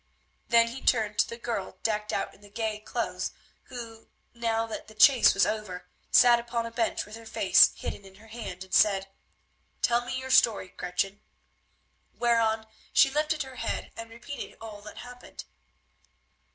Then he turned to the girl decked out in the gay clothes, who, now that the chase was over, sat upon a bench with her face hidden in her hand, and said, "Tell me your story, Gretchen," whereon she lifted her head and repeated all that happened.